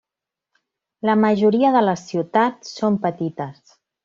La majoria de les ciutats són petites.